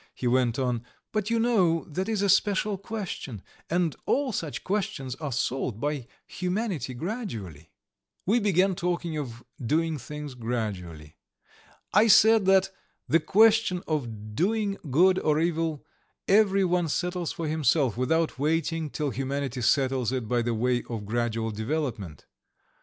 ." he went on. "But you know that is a special question, and all such questions are solved by humanity gradually." We began talking of doing things gradually. I said that "the question of doing good or evil every one settles for himself, without waiting till humanity settles it by the way of gradual development.